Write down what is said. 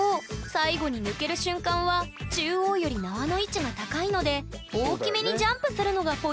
最後に抜ける瞬間は中央より縄の位置が高いので大きめにジャンプするのがポイント！